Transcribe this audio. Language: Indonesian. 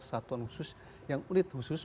kesatuan khusus yang unik khusus